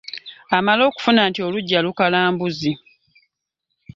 Amala okufuna nti , oluggya lukala mbuzi .